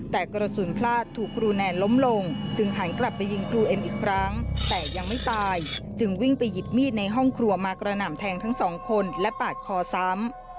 แต่กระสุนพลาดถูกครูแนนล้มลงจึงหันกลับไปยิงครูเอ็มอีกครั้งแต่ยังไม่ตายจึงวิ่งไปหยิบมีดในห้องครัวมากระหน่ำแทงทั้งสองคนและปาดคอซ้ำ